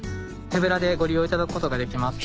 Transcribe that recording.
手ぶらでご利用いただくことができます。